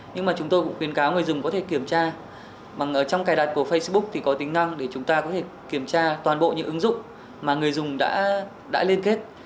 nhưng mà chúng tôi cũng khuyến cáo người dùng có thể kiểm tra bằng trong cài đặt của facebook thì có tính năng để chúng ta có thể kiểm tra toàn bộ những ứng dụng mà người dùng đã liên kết